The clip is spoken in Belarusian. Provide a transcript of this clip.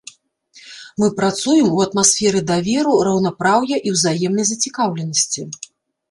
Мы працуем у атмасферы даверу, раўнапраўя і ўзаемнай зацікаўленасці.